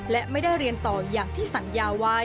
และไม่ได้เรียนต่ออย่างที่สัญญาไว้